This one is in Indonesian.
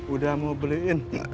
udah mau beliin